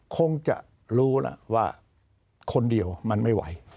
คงจะรู้นะว่าคนเดียวมันไม่ไหว